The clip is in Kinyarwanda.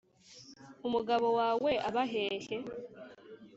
umugabo wawe aba hehe’